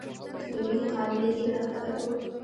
په سروبي کې قابلي دیګ راښکته کړو.